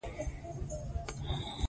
ډيپلومات د هیواد د ستونزو حل ته هڅه کوي.